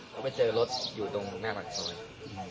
เขาไปเจอรถอยู่ตรงแม่บัตรสวน